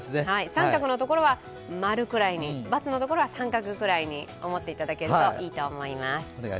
△のところは○くらいに、×のところは△くらいに思っていただけるといいと思います。